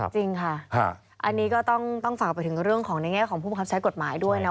จริงค่ะอันนี้ก็ต้องฝากไปถึงเรื่องของในแง่ของผู้บังคับใช้กฎหมายด้วยนะ